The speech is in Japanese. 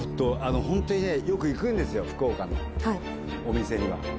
本当にねよく行くんですよ福岡のお店には。